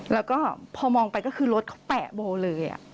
แล้วก็พอมองไปก็คือรถเขาแปะโบเลย